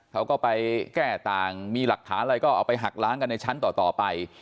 เขาก็ไปแก้ต่างมีหลักฐานอะไรก็เอาไปหักล้างกันในชั้นต่อไป